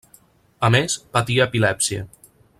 A més, patia epilèpsia.